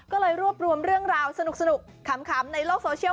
ก็เลยรวบรวมเรื่องราวสนุกขำในโลกโซเชียล